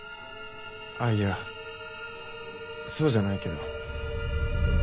あっいやそうじゃないけど。